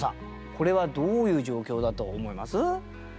これはどういう状況だと思います？